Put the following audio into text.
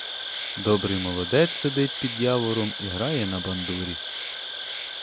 Добрий молодець сидить під явором і грає на бандурі.